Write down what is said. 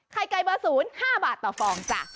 ไข่ไก่เบอร์๐๕บาทต่อฟองจ้ะ